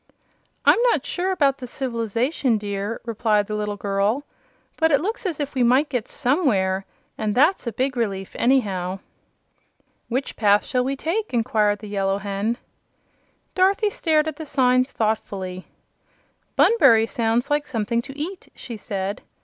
"I'm not sure about the civil'zation, dear," replied the little girl; "but it looks as if we might get SOMEWHERE, and that's a big relief, anyhow." "Which path shall we take?" inquired the Yellow Hen. Dorothy stared at the signs thoughtfully. "Bunbury sounds like something to eat," she said.